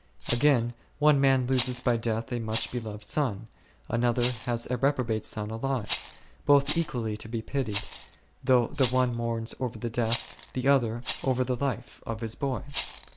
Again, one man loses by death a much loved ? son ; another has a reprobate son alive ; both equally to be pitied, though the one mourns over the death, the other over the life, of his boy.